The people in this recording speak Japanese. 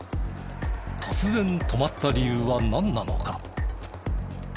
突然止まった理由はなんなのか？